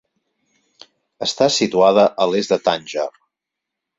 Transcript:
Està situada a l'est de Tànger.